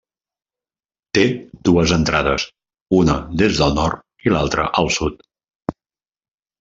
Té dues entrades una des del nord i l'altra al sud.